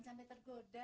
jangan sampai tergoda